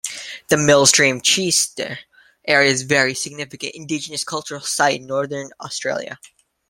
The Millstream Chichester area is very significant Indigenous cultural site in northern Australia.